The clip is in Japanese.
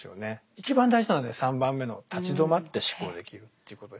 一番大事なので３番目の「立ち止まって思考できる」ということで。